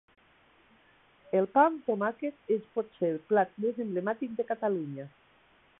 El pa amb tomàquet és potser el plat més emblemàtic de Catalunya.